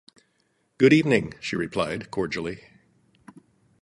“Good-evening,” she replied cordially.